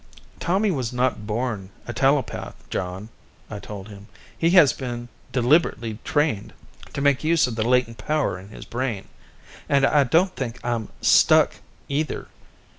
"Tommy was not born a telepath, John," I told him. "He has been deliberately trained to make use of the latent power in his brain. And I don't think I'm 'stuck' either.